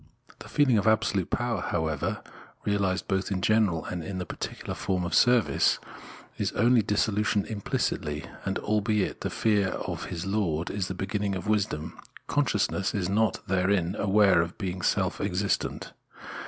The feeling of absolute power, however, reahsed both in general and in the particular form of service, is 186 Phenomenology of Mind only dissolution implicitly, and albeit the fear of his lord is the beginning of wisdom, consciousness is not therein aware of being self existent.